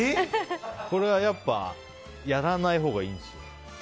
これはやっぱやらないほうがいいんですよ。